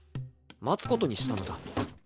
待つことにしたのだ。